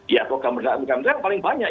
ya program pemberdayaan umkm itu yang paling banyak